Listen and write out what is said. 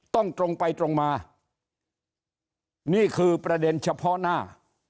ตรงไปตรงมานี่คือประเด็นเฉพาะหน้า